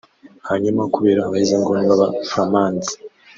Hanyuma kubera abahezanguni b’Aba-flamands